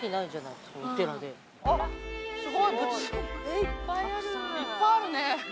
いっぱいあるね！